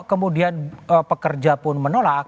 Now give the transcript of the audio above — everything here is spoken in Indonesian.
kemudian pekerja pun menolak